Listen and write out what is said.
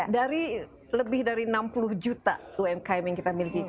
dari lebih dari enam puluh juta umkm yang kita miliki